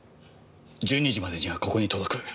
１２時までにはここに届く。